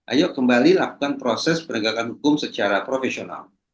ayo kembali lakukan proses penegakan hukum secara profesional